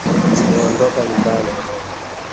Umeondoka nyumbani